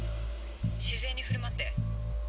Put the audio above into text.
自然に振る舞って。